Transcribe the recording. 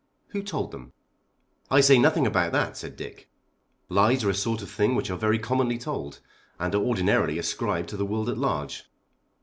"Who told them?" "I say nothing about that," said Dick. "Lies are a sort of thing which are very commonly told, and are ordinarily ascribed to the world at large.